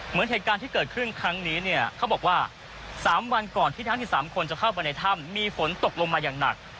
เหตุการณ์ที่เกิดขึ้นครั้งนี้เนี่ยเขาบอกว่า๓วันก่อนที่ทั้ง๑๓คนจะเข้าไปในถ้ำมีฝนตกลงมาอย่างหนัก